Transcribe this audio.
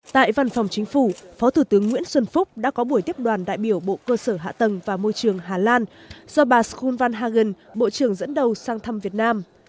tại văn phòng chính phủ phó thủ tướng nguyễn xuân phúc đã có buổi tiếp đoàn đại biểu bộ cơ sở hạ tầng và môi trường hà lan do bà skol van hagan bộ trưởng dẫn đầu sang thăm việt nam